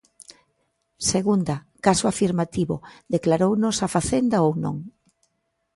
Segunda: caso afirmativo, declarounos a Facenda ou non?